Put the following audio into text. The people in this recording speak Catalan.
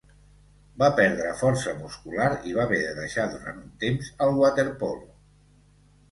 Va perdre força muscular i va haver de deixar durant un temps el waterpolo.